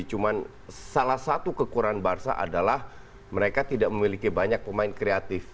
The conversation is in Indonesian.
cuma salah satu kekurangan barca adalah mereka tidak memiliki banyak pemain kreatif